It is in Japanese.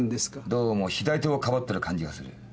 どうも左手をかばってる感じがする。